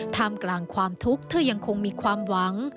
ท่ามกลางความทุกข์เธอยังคงมีความหวัง